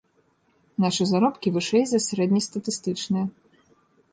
Нашы заробкі вышэй за сярэднестатыстычныя.